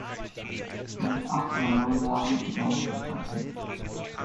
Schon mit acht oder neun Jahren begann er zu zeichnen.